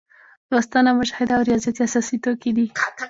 لوستنه، مشاهده او ریاضت یې اساسي توکي دي.